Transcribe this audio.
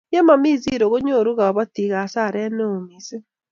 ye mami zero konyorun kabatik asaret neo mising